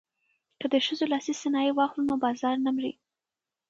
که د ښځو لاسي صنایع واخلو نو بازار نه مري.